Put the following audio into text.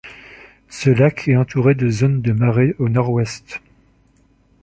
Ce lac est entouré de zones de marais au Nord-Ouest.